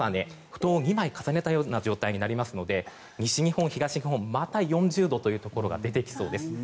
布団を２枚重ねたような状態になりますので西日本、東日本また４０度というところが出てきそうです。